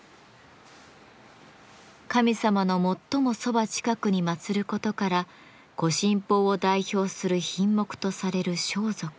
神様の最もそば近くにまつることから御神宝を代表する品目とされる装束。